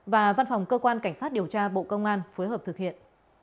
và văn phòng cơ quan cảnh sát điều tra bộ công an phối hợp thực hiện